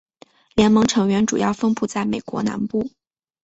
联盟成员主要分布在美国南部。